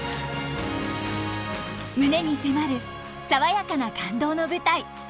胸に迫る爽やかな感動の舞台